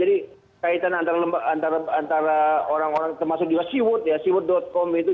jadi kaitan antara orang orang termasuk juga seaworld ya seaworld com itu